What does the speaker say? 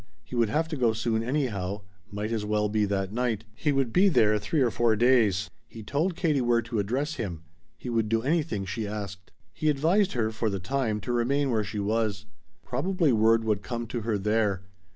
He would have to go soon anyhow might as well be that night. He would be there three or four days. He told Katie where to address him. He would do anything she asked. He advised her, for the time, to remain where she was. Probably word would come to her there.